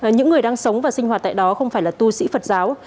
những người đang sống và sinh hoạt tại đó không phải là tu sĩ phật giáo